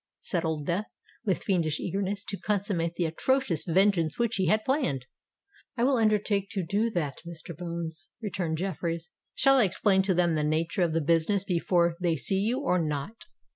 said Old Death, with fiendish eagerness to consummate the atrocious vengeance which he had planned. "I will undertake to do that, Mr. Bones," returned Jeffreys. "Shall I explain to them the nature of the business before they see you, or not?"